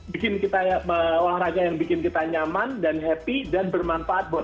bikin kita olahraga yang bikin kita nyaman dan happy dan bermanfaat buat